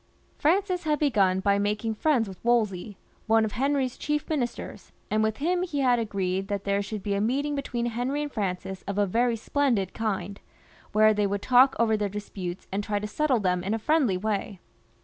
Francis had begun by making friends with Wolsey, one of Henry's chief ministers, and with him he had agreed that there should be a meeting between Henry I I ■ ii 1 9^ m I XXXV.] FRANCIS I, 247 arid Francis of a very splendid kind, where they would talk over their disputes and try to settle theln in a friendly way.